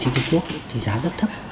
trong trung quốc thì giá rất thấp